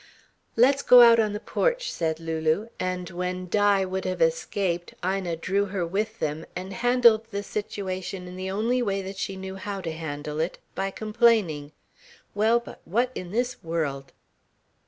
"Let's go out on the porch," said Lulu, and when Di would have escaped, Ina drew her with them, and handled the situation in the only way that she knew how to handle it, by complaining: Well, but what in this world....